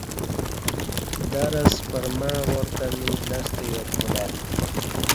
درس پرمع وار تہ می لستہ یاد بولہ ای